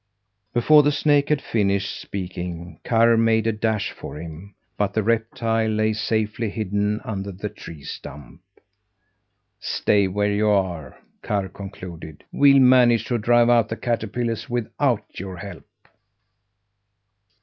Before the snake had finished speaking, Karr made a dash for him; but the reptile lay safely hidden under the tree stump. "Stay where you are!" Karr concluded. "We'll manage to drive out the caterpillars without your help."